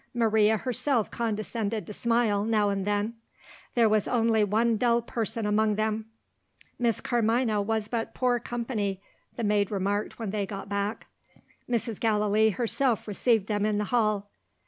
Maria herself condescended to smile, now and then. There was only one dull person among them. "Miss Carmina was but poor company," the maid remarked when they got back. Mrs. Gallilee herself received them in the hall.